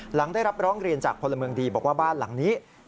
หลังได้รับร้องเรียนจากพลเมืองดีบอกว่าบ้านหลังนี้